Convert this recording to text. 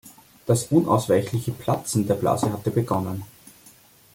Das unausweichliche Platzen der Blase hatte begonnen.